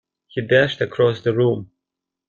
He dashed across the room.